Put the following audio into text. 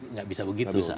tidak bisa begitu